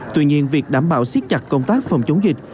tuy nhiên việc đảm bảo siết chặt công tác phòng chống dịch